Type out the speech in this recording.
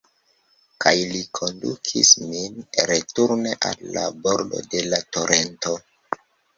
Kaj li kondukis min returne al la bordo de la torento.